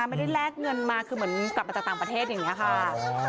แลกเงินมาคือเหมือนกลับมาจากต่างประเทศอย่างนี้ค่ะ